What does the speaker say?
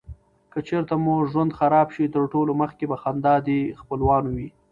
که چیرته مو ژوند خراب شي تر ټولو مخکي به خندا دې خپلوانو وې.